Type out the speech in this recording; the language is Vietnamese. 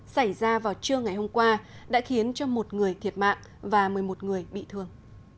xảy ra vào trưa ngày hôm qua đã khiến cho một người thiệt mạng và một mươi một người bị thương